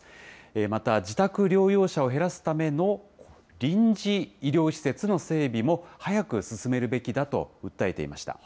また、自宅療養者を減らすための臨時医療施設の整備も、早く進めるべきだと訴えていました。